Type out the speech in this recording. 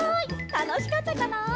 たのしかったかな？